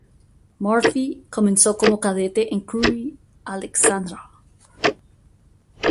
Murphy comenzó como cadete en Crewe Alexandra.